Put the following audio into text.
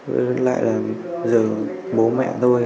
với lại là giờ bố mẹ tôi